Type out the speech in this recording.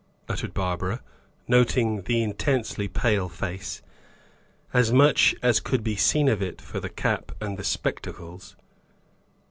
uttered Barbara, noting the intensely pale face as much as could be seen of it for the cap and the spectacles.